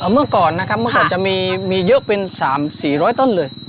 เมื่อก่อนนะครับเมื่อก่อนจะมีเยอะเป็น๓๔๐๐ต้นเลย